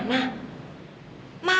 loh nggak usah dibahas gimana